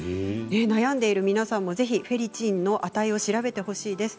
悩んでいる皆さんも、ぜひフェリチンの値を調べてほしいです。